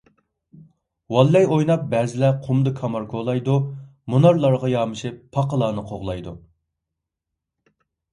«ۋاللەي» ئويناپ بەزىلەر قۇمدا كامار كولايدۇ، مۇنارلارغا يامىشىپ، پاقىلارنى قوغلايدۇ.